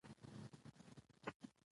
د ده ټول ښکلي ملګري یو په یو دي کوچېدلي